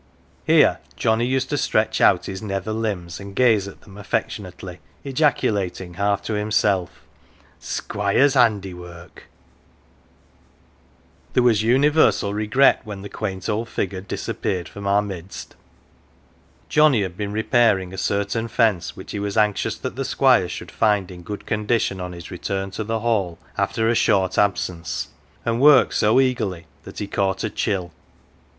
" Here Johnnie used to stretch out his nether limbs and gaze at them affectionately, ejaculating half to himself " Squire's handiwork !" There was universal regret when the quaint old figure disappeared from our midst. Johnnie had been repair ing a certain fence, which he was anxious that the Squire should find in good condition on his return to the Hall after a short absence, and worked so eagerly that he caught a chill.